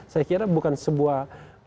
saya kira bukan sebuah